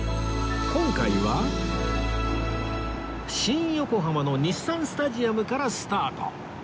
今回は新横浜の日産スタジアムからスタート